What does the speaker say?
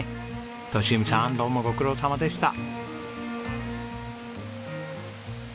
利文さんどうもご苦労さまでした。